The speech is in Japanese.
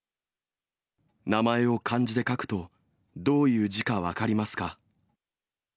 名前を漢字で書くとどういう字か分かりますか？